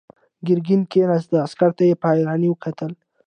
ګرګين کېناست، عسکر ته يې په حيرانۍ وکتل.